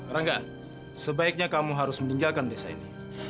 rangga sebaiknya kamu harus meninggalkan desa ini